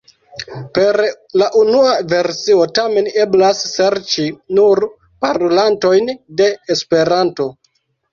Per la unua versio tamen eblas serĉi nur parolantojn de Esperanto.